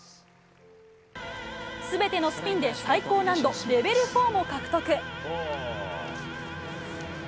全てのスピンで最高難度レベル４も獲得。